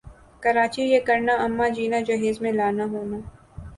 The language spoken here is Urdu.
کراچی یِہ کرنا اماں جینا جہیز میں لانا ہونا